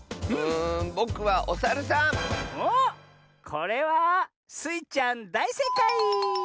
これはスイちゃんだいせいかい！